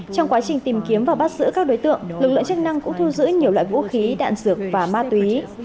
trong quá trình tìm kiếm và bắt giữ các đối tượng lực lượng chức năng cũng thu giữ nhiều loại vũ khí đạn dược và ma túy